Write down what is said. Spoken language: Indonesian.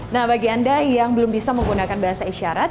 nah bagi anda yang belum bisa menggunakan bahasa isyarat